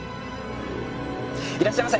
いらっしゃいませ。